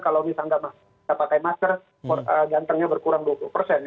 kita pakai masker gantengnya berkurang dua puluh